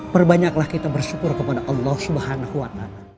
perbanyaklah kita bersyukur kepada allah swt